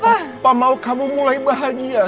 apa mau kamu mulai bahagia